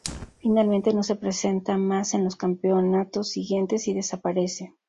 Finalmente no se presenta más en los campeonatos siguientes y desaparece.